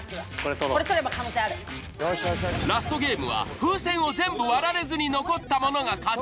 ラストゲームはふうせんを全部割られずに残った者が勝ち。